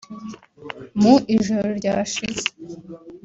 Mu ijoro ryashize